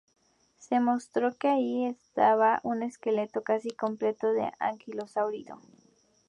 Se mostró que allí había un esqueleto casi completo de anquilosáurido.